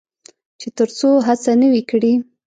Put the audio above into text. چې تر څو هڅه نه وي کړې.